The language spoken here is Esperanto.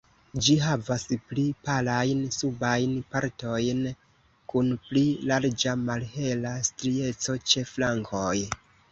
Ĝi havas pli palajn subajn partojn kun pli larĝa, malhela strieco ĉe flankoj.